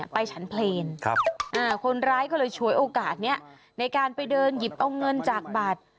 ฉันเพลงคนร้ายก็เลยฉวยโอกาสนี้ในการไปเดินหยิบเอาเงินจากบัตร